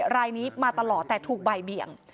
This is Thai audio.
รายนี้มาตลอดแต่ถูกบ่ายเบี่ยง